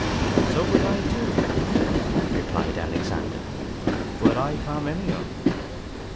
SO WOULD I TOO, replied Alexander, WERE I PARMENIO.